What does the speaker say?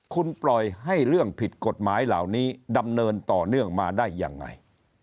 คุณปล่อยให้เรื่องผิดกฎหมายเหล่านี้ดำเนินต่อเนื่องมาได้ยังไง